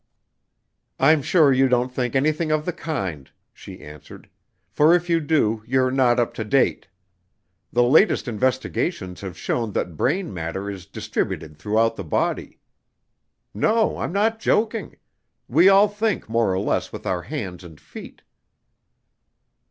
"I'm sure you don't think anything of the kind," she answered, "for if you do, you're not up to date. The latest investigations have shown that brain matter is distributed throughout the body. No, I'm not joking. We all think more or less with our hands and feet."